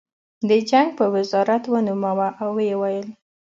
د جنګ په وزارت ونوموه او ویې ویل